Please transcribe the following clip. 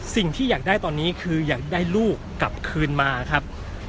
สิ่งที่อยากได้ตอนนี้คืออยากได้ลูกกลับคืนมาครับ